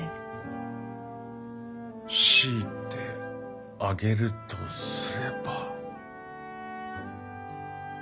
強いて挙げるとすれば。